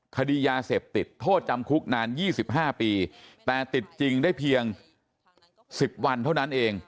คดียาเสพติดโทษจำคุกนาน๒๕ปีแต่ติดจริงได้เพียง๑๐วันเท่านั้นเอง